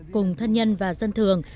cùng thân nhân và dân thường